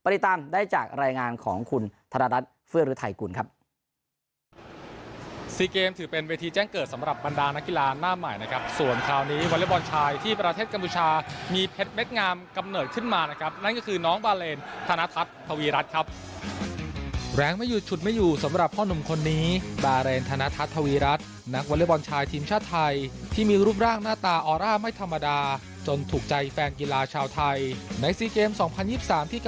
ติดตามได้จากรายงานของคุณธนรัฐเฟื้อฤทัยกุลครับ